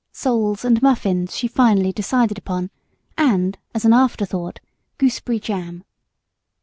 Soles and muffins she finally decided upon, and, as an after thought, gooseberry jam.